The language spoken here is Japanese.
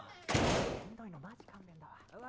めんどいのマジ勘弁だわ。